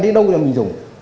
đấy đâu mà mình dùng